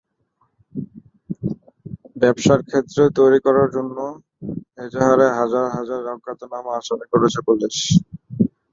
ব্যবসার ক্ষেত্র তৈরি করার জন্য এজাহারে হাজার হাজার অজ্ঞাতনামা আসামি করেছে পুলিশ।